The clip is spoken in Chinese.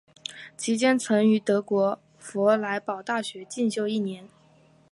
期间曾于德国佛莱堡大学进修一年。